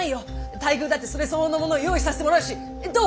待遇だってそれ相応のものを用意させてもらうしどう？